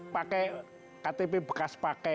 pakai ktp bekas pakai